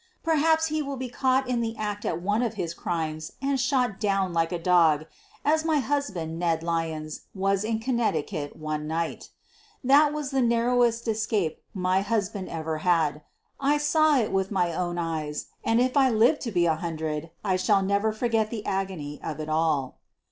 Perhaps he will be caught in the act at one of his crimes and shot down like a dog, as my husband, QUEEN OF THE BURGLARS i» Ned Lyons, was in Connecticut one night. That wag the narrowest escape my husband ever had — I saw it with my own eyes, and, if I live to be a hundred, I shall never forget the agony of it all.